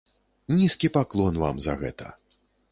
Нізкі паклон вам за гэта.